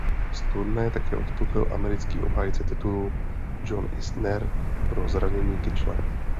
Z turnaje také odstoupil americký obhájce titulu John Isner pro zranění kyčle.